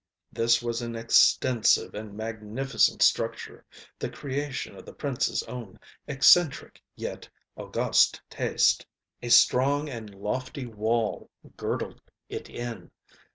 This was an extensive and magnificent structure, the creation of the princeŌĆÖs own eccentric yet august taste. A strong and lofty wall girdled it in.